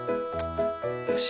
よし。